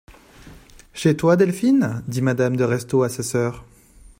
Chez toi, Delphine ? dit madame de Restaud à sa sœur.